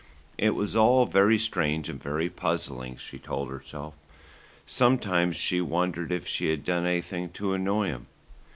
It was all very strange and very puzzling, she told herself. Sometimes she wondered if she had done anything to annoy him.